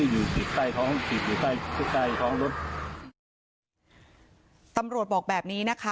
อยู่ใต้ท้องรถตำรวจบอกแบบนี้นะคะ